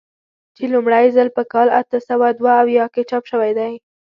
چې لومړی ځل په کال اته سوه دوه اویا کې چاپ شوی دی.